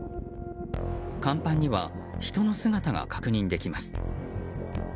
甲板には人の姿が確認できます。